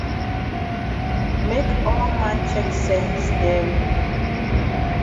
Make all man chek sense tell we.